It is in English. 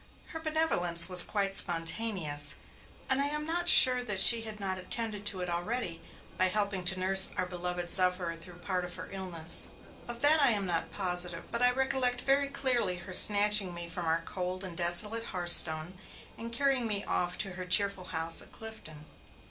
Her benevolence was quite spontaneous; and I am not sure that she had not added to it already by helping to nurse our beloved sufferer through part of her illness. Of that I am not positive, but I recollect very clearly her snatching me from our cold and desolate hearthstone, and carrying me off to her cheerful house at Clifton.